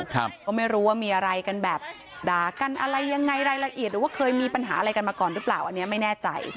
ก็ไม่รู้ว่ามีอะไรกันแบบด่ากันอะไรยังไงรายละเอียดหรือว่าเคยมีปัญหาอะไรกันมาก่อนหรือเปล่าอันนี้ไม่แน่ใจ